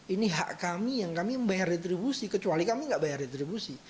ini hak kami yang kami membayar retribusi kecuali kami nggak bayar retribusi